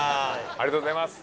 ありがとうございます！